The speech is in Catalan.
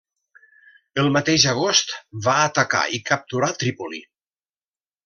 El mateix agost va atacar i capturar Trípoli.